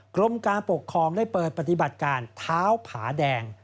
กรมการปกครองได้เปิดปฏิบัติการเท้าผาแดง